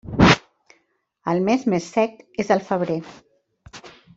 El mes més sec és el febrer.